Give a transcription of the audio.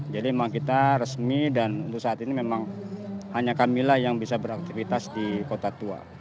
jadi memang kita resmi dan untuk saat ini memang hanya kamilah yang bisa beraktivitas di kota tua